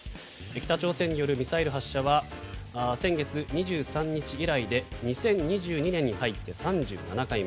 北朝鮮によるミサイル発射は先月２３日以来で２０２２年に入って３７回目。